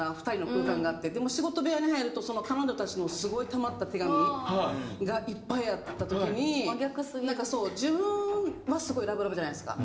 でも仕事部屋に入ると彼女たちのすごいたまった手紙がいっぱいあった時になんか自分はすごいラブラブじゃないですか。